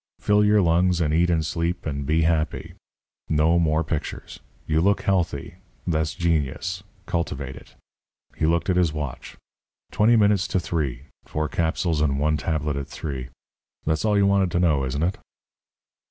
Fill your lungs and eat and sleep and be happy. No more pictures. You look healthy. That's genius. Cultivate it." He looked at his watch. "Twenty minutes to three. Four capsules and one tablet at three. That's all you wanted to know, isn't it?"